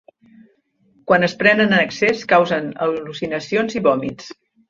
Quan es prenen en excés causen al·lucinacions i vòmits.